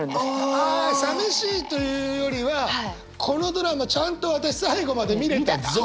ああさみしいというよりはこのドラマちゃんと私最後まで見れたぞ！